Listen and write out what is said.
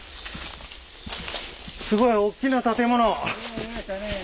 すごいおっきな建物。